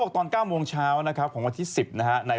ตอน๙โมงเช้าของวันที่๑๐